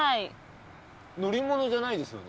乗り物じゃないですよね。